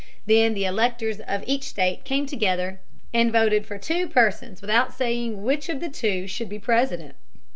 Then the electors of each state came together and voted for two persons without saying which of the two should be President.